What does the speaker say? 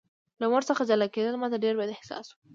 له مور څخه جلا کېدل ماته ډېر بد احساس و